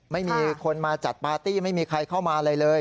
ไม่มีคนมาจัดปาร์ตี้ไม่มีใครเข้ามาอะไรเลย